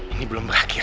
ini belum berakhir